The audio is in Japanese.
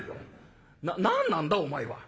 何なんだお前は」。